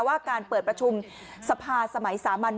ว่าการเปิดประชุมสภาสมัยสามัญ